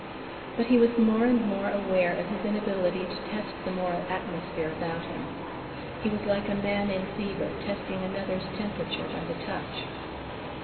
But he was more and more aware of his inability to test the moral atmosphere about him: he was like a man in fever testing another's temperature by the touch.